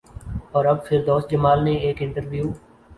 اور اب فردوس جمال نے ایک انٹرویو